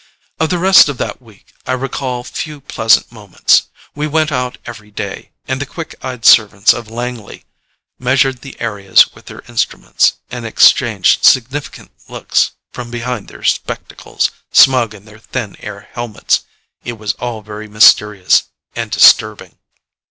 Of the rest of that week I recall few pleasant moments. We went out every day, and the quick eyed servants of Langley measured the areas with their instruments, and exchanged significant looks from behind their spectacles, smug in their thin air helmets. It was all very mysterious. And disturbing.